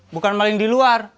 bukan maling di luar